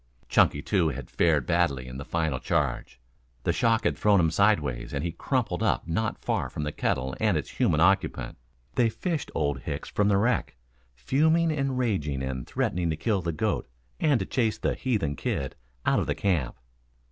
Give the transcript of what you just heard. Chunky too had fared badly in the final charge. The shock had thrown him sideways and he crumpled up not far from the kettle and its human occupant. They fished Old Hicks from the wreck, fuming and raging and threatening to kill the goat and to chase the "heathen kid" out of the camp.